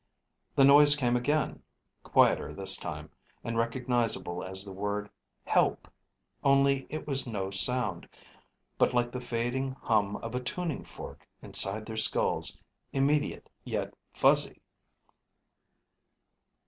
The noise came again, quieter this time, and recognizable as the word Help, only it was no sound, but like the fading hum of a tuning fork inside their skulls, immediate, yet fuzzy.